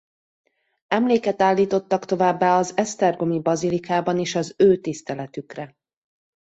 Emléket állítottak továbbá az esztergomi Bazilikában is az ő tiszteletükre.